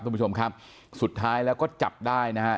คุณผู้ชมครับสุดท้ายแล้วก็จับได้นะฮะ